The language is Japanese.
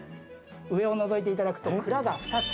上をのぞいていただくと蔵が２つ。